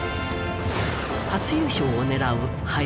初優勝を狙う林。